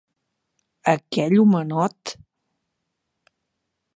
Aquell homenot!